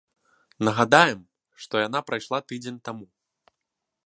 Нагадаем, што яна прайшла тыдзень таму.